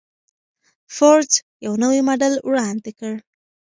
فورډ یو نوی ماډل وړاندې کړ.